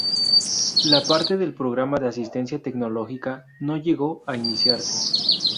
La parte del programa de asistencia tecnológica no llegó a iniciarse.